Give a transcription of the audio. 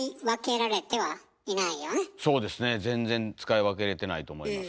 そうですね全然使い分けれてないと思います